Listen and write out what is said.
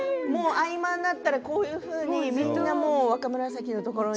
合間になったらこういうふうにみんなずっと若紫のところに。